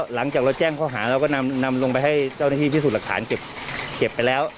หลังจากเราแจ้งข้อหาเราก็นำลงไปให้เจ้าหน้าที่พิสูจน์หลักฐานเก็บไปแล้ว